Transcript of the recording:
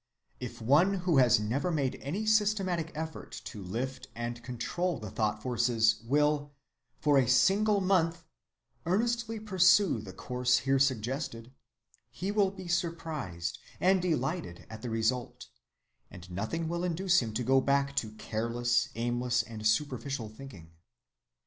If one who has never made any systematic effort to lift and control the thought‐ forces will, for a single month, earnestly pursue the course here suggested, he will be surprised and delighted at the result, and nothing will induce him to go back to careless, aimless, and superficial thinking.